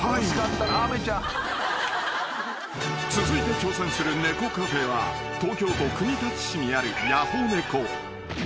［続いて挑戦する猫カフェは東京都国立市にある谷保ねこ］